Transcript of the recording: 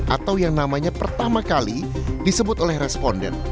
atau yang namanya pertama kali disebut oleh responden